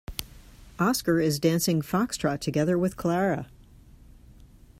Oscar is dancing foxtrot together with Clara.